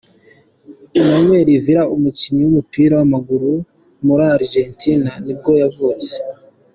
Emanuel Villa, umukinnyi w’umupira w’amaguru wo muri Argentine nibwo yavutse.